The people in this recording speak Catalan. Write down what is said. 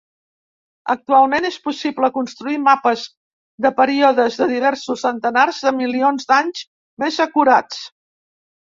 Actualment, és possible construir mapes de períodes de diversos centenars de milions d'anys, més acurats.